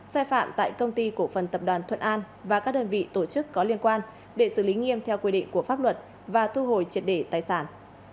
sai phạm tại công ty cổ phần tập đoàn thuận an và các đơn vị tổ chức có liên quan để xử lý nghiêm theo quy định của pháp luật và thu hồi triệt để tài sản